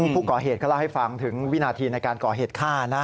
ผู้ก่อเหตุก็เล่าให้ฟังถึงวินาทีในการก่อเหตุฆ่านะ